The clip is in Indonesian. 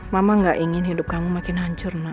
mbak gak ingin hidup kamu makin hancur mbak